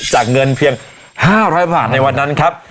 จากเงินเพียง๕๐๐บาทในวันนั้นครับ